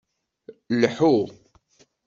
Lḥu.